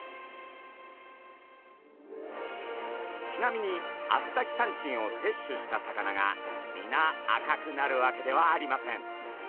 ちなみにアスタキサンチンをせっしゅした魚がみな赤くなるわけではありません。